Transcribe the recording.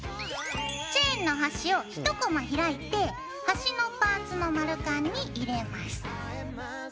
チェーンの端を１コマ開いて端のパーツの丸カンに入れます。